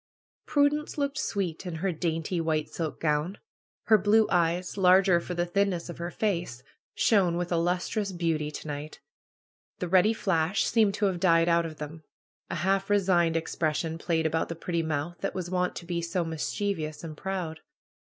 Prudence looked sweet in her dainty white silk gown. Her blue eyes, larger for the thinness of her face, shone with a lustrous beauty to night. The ready fiash seemed to have died out of them. A half resigned expression played about the pretty mouth that was wont to be so mischievous and proud.